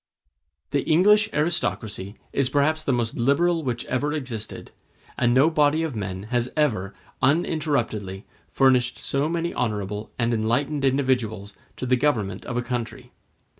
The English aristocracy is perhaps the most liberal which ever existed, and no body of men has ever, uninterruptedly, furnished so many honorable and enlightened individuals to the government of a country.